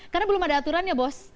karena belum ada aturannya bos